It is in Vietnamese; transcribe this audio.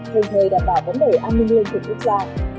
thường thời đảm bảo vấn đề an ninh linh linh của quốc gia